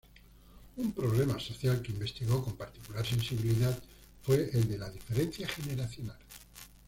Un problema social que investigó con particular sensibilidad fue el de la diferencia generacional.